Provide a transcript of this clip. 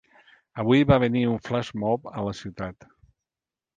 Avui va venir un flash mob a la ciutat.